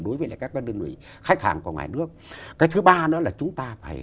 đối với các đơn vị